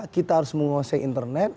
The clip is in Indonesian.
kita harus menguasai internet